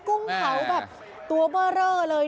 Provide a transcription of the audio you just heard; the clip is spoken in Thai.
กุ้งเผาแบบตัวเบอร์เรอเลย